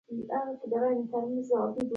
موږ دواړه غړي وو.